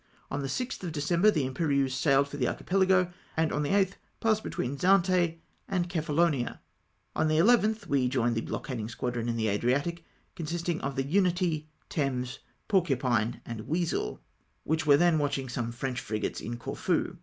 On the 6th of December, the Imperieuse sailed for the Archipelago, and on the 8th passed between Zante and Cephalonia. On the lltli we joined the blockading squadron in tlie Adriatic, consisting of the Unite, Thames, Poi^cupine, and Weasel, which were then watching some French frigates in Corfu.